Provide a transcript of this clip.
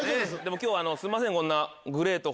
今日はすんません。